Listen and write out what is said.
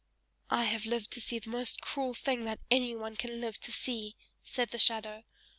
"I have lived to see the most cruel thing that anyone can live to see!" said the shadow.